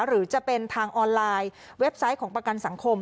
หรือจะเป็นทางออนไลน์เว็บไซต์ของประกันสังคม